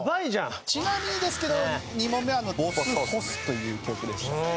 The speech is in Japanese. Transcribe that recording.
ちなみにですけど２問目は『ＢＯＳＳＨＯＳＳ』という曲でした。